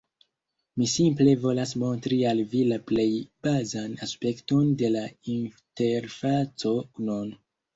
Mi simple volas montri al vi la plej bazan aspekton de la interfaco nun.